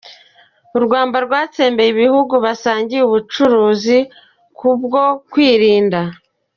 U Rwanda rwatsembeye ibihugu basangiye ubucuruzi kubwo kwirinda